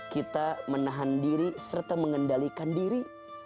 kita menahan diri serta mengendalikan diri